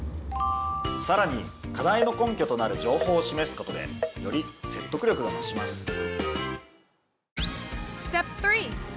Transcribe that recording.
さらに課題の根拠となる情報を示すことでより説得力が増します。